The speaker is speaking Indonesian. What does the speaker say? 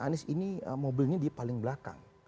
anies ini mobilnya di paling belakang